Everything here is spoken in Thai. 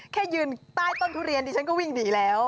แค่ยืนใต้ต้นทุเรียนดิฉันก็วิ่งหนีแล้ว